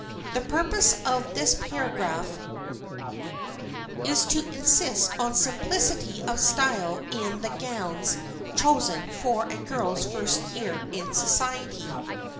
The purpose of this paragraph is to insist on simplicity of style in the gowns chosen for a girl's first year in society.